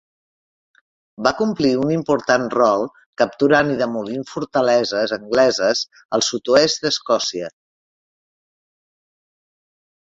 Va complir un important rol capturant i demolint fortaleses angleses al sud-oest d'Escòcia.